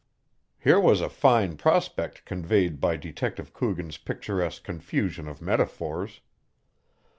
Here was a fine prospect conveyed by Detective Coogan's picturesque confusion of metaphors.